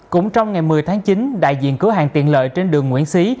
cũng trong ngày một mươi tháng chín đại diện cửa hàng tiện lợi trên đường nguyễn xí